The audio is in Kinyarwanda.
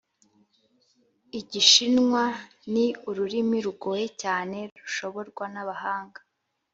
igishinwa ni ururimi rugoye cyane rushoborwa n'abahanga